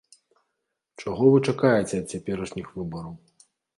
Чаго вы чакаеце ад цяперашніх выбараў?